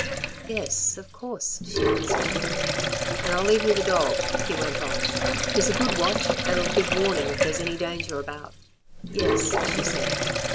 "Yes, of course," she answered. "And I'll leave you the dog," he went on. "He's a good watch and'll give warning if there's any danger about." "Yes," she said.